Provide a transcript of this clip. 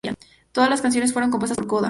Todas las canciones fueron compuestas por Coda.